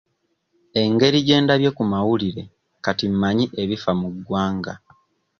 Engeri gye ndabye ku mawulire kati mmanyi ebifa mu ggwanga.